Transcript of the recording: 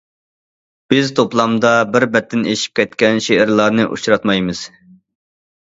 بىز توپلامدا بىر بەتتىن ئېشىپ كەتكەن شېئىرلارنى ئۇچراتمايمىز.